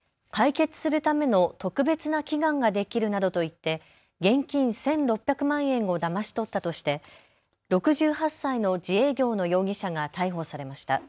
親族間のトラブルに悩んでいた男性に対し解決するための特別な祈願ができるなどと言って現金１６００万円をだまし取ったとして６８歳の自営業の容疑者が逮捕されました。